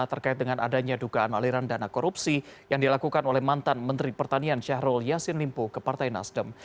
terkait dengan adanya dugaan aliran dana korupsi yang dilakukan oleh mantan menteri pertanian syahrul yassin limpo ke partai nasdem